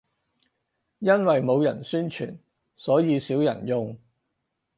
因為冇人宣傳，所以少人用